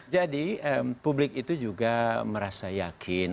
jadi publik itu juga merasa yakin